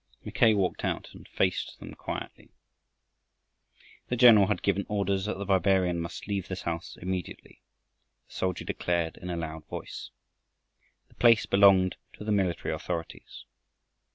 Mackay waked out and faced them quietly. The general had given orders that the barbarian must leave this house immediately, the soldier declared in a loud voice. The place belonged to the military authorities.